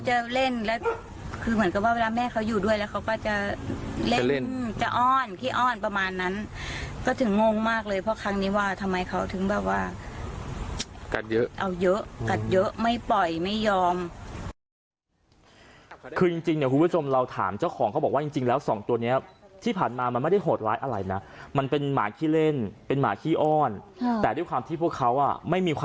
จะเล่นแล้วคือเหมือนกับว่าเวลาแม่เขาอยู่ด้วยแล้วเขาก็จะเล่นเล่นจะอ้อนขี้อ้อนประมาณนั้นก็ถึงงงมากเลยเพราะครั้งนี้ว่าทำไมเขาถึงแบบว่ากัดเยอะเอาเยอะกัดเยอะไม่ปล่อยไม่ยอมคือจริงจริงเนี่ยคุณผู้ชมเราถามเจ้าของเขาบอกว่าจริงจริงแล้วสองตัวเนี้ยที่ผ่านมามันไม่ได้โหดร้ายอะไรนะมันเป็นหมาขี้เล่นเป็นหมาขี้อ้อนแต่ด้วยความที่พวกเขาอ่ะไม่มีความ